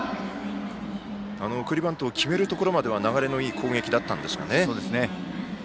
送りバントを決めるところまでは攻撃の流れがよかったですね。